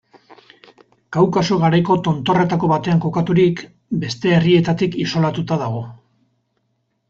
Kaukaso garaiko tontorretako batean kokaturik, beste herrietatik isolatuta dago.